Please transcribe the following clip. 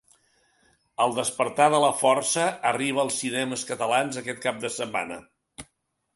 El despertar de la força, arriba als cinemes catalans aquest cap de setmana.